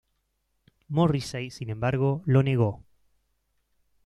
Morrissey, sin embargo, lo negó.